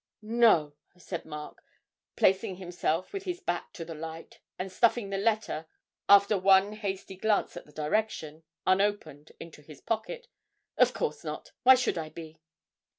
'No,' said Mark, placing himself with his back to the light, and stuffing the letter, after one hasty glance at the direction, unopened into his pocket. 'Of course not why should I be?'